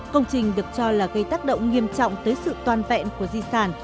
công trình được cho là gây tác động nghiêm trọng tới sự toàn vẹn của di sản